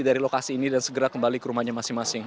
dari lokasi ini dan segera kembali ke rumahnya masing masing